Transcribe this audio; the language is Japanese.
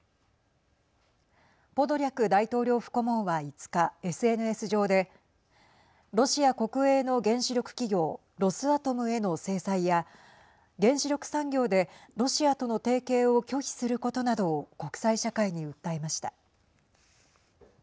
ポドリャク大統領府顧問は５日ＳＮＳ上でロシア国営の原子力企業ロスアトムへの制裁や原子力産業でロシアとの提携を拒否することなどを国際社会に訴えました。